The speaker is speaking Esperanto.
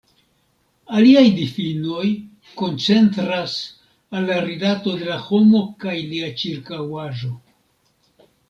Aliaj difinoj koncentras al la rilato de la homo kaj lia ĉirkaŭaĵo.